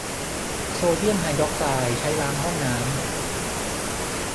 โซเดียมไฮดรอกไซด์ใช้ล้างห้องน้ำ